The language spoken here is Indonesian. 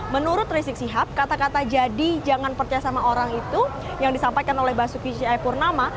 menurut rizik sihab kata kata jadi jangan percaya sama orang itu yang disampaikan oleh basuki c purnama